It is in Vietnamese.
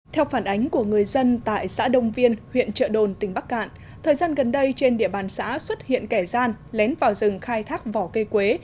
theo phản ánh của người dân tại xã đông viên huyện trợ đồn tỉnh bắc cạn thời gian gần đây trên địa bàn xã xuất hiện kẻ gian lén vào rừng khai thác vỏ cây quế